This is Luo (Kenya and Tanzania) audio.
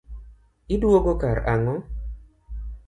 Iduogo kar ang'o?